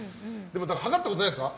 測ったことはないですか？